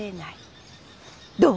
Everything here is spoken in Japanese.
どう？